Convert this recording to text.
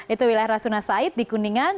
itu wilayah rasuna said di kuningan